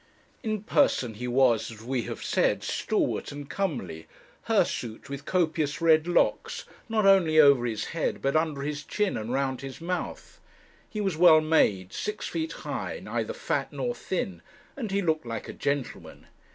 In person he was, as we have said, stalwart and comely, hirsute with copious red locks, not only over his head, but under his chin and round his mouth. He was well made, six feet high, neither fat nor thin, and he looked like a gentleman.